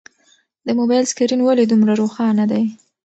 د موبایل سکرین ولې دومره روښانه دی؟